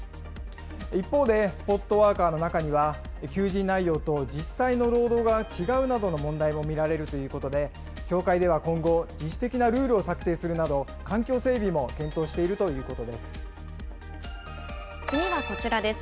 一方で、スポットワーカーの中には求人内容と実際の労働が違うなどの問題も見られるということで、協会では今後、自主的なルールを策定するなど、環境整備も検討しているというこ次はこちらです。